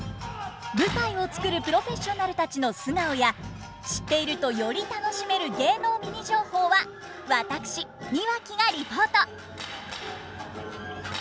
舞台を作るプロフェッショナルたちの素顔や知っているとより楽しめる芸能ミニ情報は私庭木がリポート。